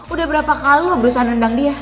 udah berapa kali loh berusaha nendang dia